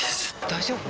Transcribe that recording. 大丈夫？